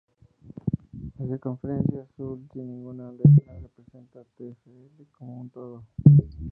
La circunferencia azul sin ninguna letra representa a TfL como un todo.